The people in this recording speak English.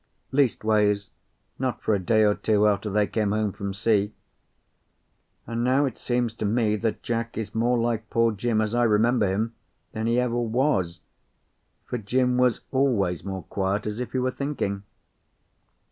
Leastways, not for a day or two after they came home from sea. And now it seems to me that Jack is more like poor Jim, as I remember him, than he ever was, for Jim was always more quiet, as if he were thinking."